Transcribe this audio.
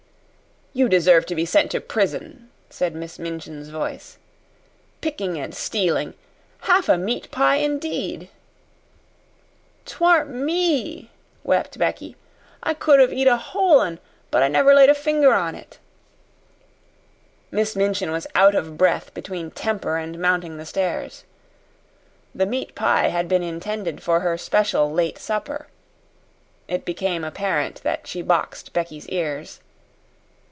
"You deserve to be sent to prison," said Miss Minchin's voice. "Picking and stealing! Half a meat pie, indeed!" "'T warn't me," wept Becky. "I could 'ave eat a whole un but I never laid a finger on it." Miss Minchin was out of breath between temper and mounting the stairs. The meat pie had been intended for her special late supper. It became apparent that she boxed Becky's ears.